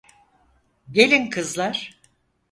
Gelin kızlar.